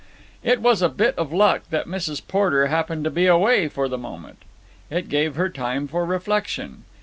It was a bit of luck that Mrs. Porter happened to be away for the moment. It gave her time for reflection.